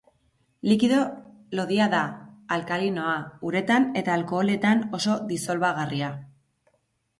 Likido lodia da, alkalinoa, uretan eta alkoholetan oso disolbagarria.